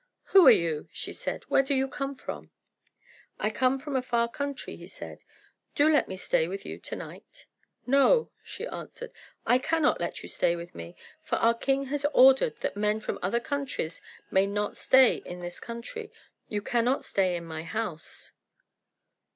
"Who are you?" she said. "Where do you come from?" "I come from a far country," he said; "do let me stay with you to night." "No," she answered, "I cannot let you stay with me; for our king has ordered that men from other countries may not stay in his country. You cannot stay in my house."